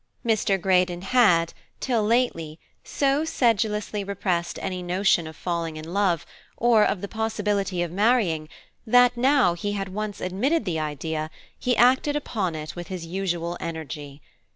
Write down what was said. Mr. Greydon had, till lately, so sedulously repressed any notion of falling in love, or of the possibility of marrying, that now he had once admitted the idea, he acted upon it with his usual energy.